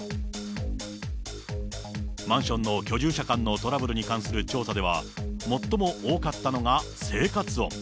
マンションの居住者間のトラブルに関する調査では、最も多かったのは生活音。